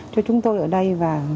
cho chúng tôi ở đây